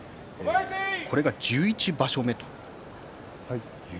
これが１１場所目です。